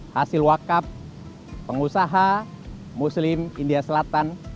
hasil wakaf pengusaha muslim india selatan